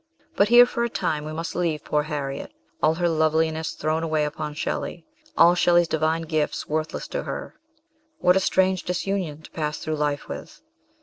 But here, for a time, we must leave poor Harriet all her loveliness thrown away upon Shelley all Shelley's divine gifts worthless to her. What a strange disunion to pass through life with